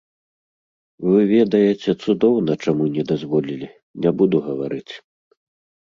Вы ведаеце цудоўна, чаму не дазволілі, не буду гаварыць.